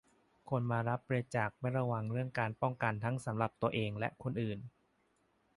คนมารับบริจาคไม่ระวังเรื่องการป้องกันทั้งสำหรับตัวเองและคนอื่น